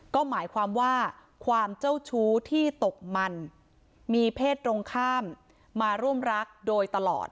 ก็หมายความว่าความเจ้าชู้ที่ตกมันมีเพศตรงข้ามมาร่วมรักโดยตลอด